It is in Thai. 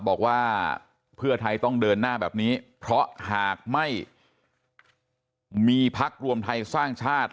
บอกว่าเพื่อไทยต้องเดินหน้าแบบนี้เพราะหากไม่มีพักรวมไทยสร้างชาติ